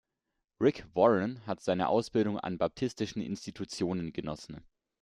Rick Warren hat seine Ausbildung an baptistischen Institutionen genossen.